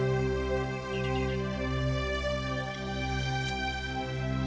aku akan tidur di sini